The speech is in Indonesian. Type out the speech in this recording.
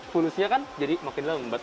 fulusnya kan jadi makin lembat